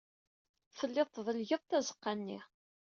Tellid tdellged tazeɣɣa-nni.